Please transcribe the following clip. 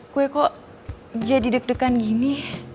kue kok jadi deg degan gini